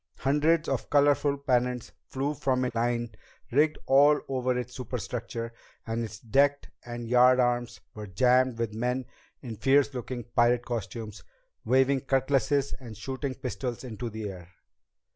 Hundreds of colorful pennants flew from lines rigged all over its superstructure, and its decks and yardarms were jammed with men in fierce looking pirate costumes, waving cutlasses and shooting pistols into the air.